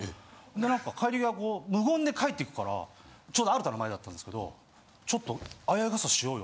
で帰り際無言で帰っていくからちょうどアルタの前だったんですけど「ちょっと相合傘しようよ」